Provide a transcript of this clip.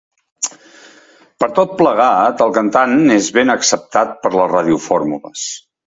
Per tot plegat, el cantant és ben acceptat per les radiofórmules.